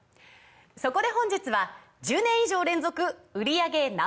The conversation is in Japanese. そこで本日は１０年以上連続売り上げＮｏ．１